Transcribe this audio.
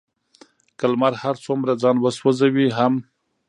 که لمر هر څومره ځان وسوزوي هم،